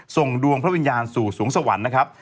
ส่งดวงพระวิญญาณสู่สวงสวรรค์นะครับ